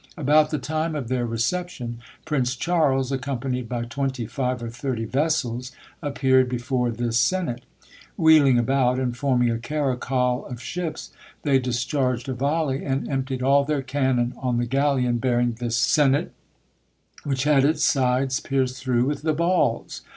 About the time of their reception, Prince Charles, accompanied by twenty five or thirty vessels, appeared before this senate. Wheeling about, and forming a caracol of ships, they discharged a volley, and emptied all their cannon on the galleon bearing this senate, which had its sides pierced through with the balls.